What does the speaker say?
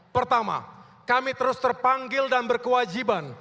pertama kami terus terpanggil dan berkewajiban